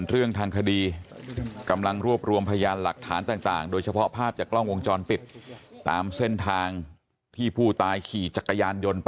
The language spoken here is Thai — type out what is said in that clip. เรื่องการยาวชสชัย